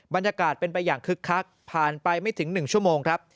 บรรยากาศเป็นไปอย่างคึกคักผ่านไปไม่ถึง๑ชั่วโมงครับ